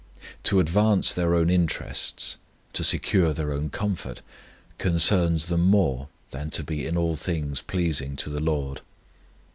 To advance their own interests, to secure their own comfort, concerns them more than to be in all things pleasing to the LORD.